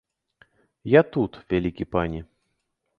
Я тут, вялікі пане!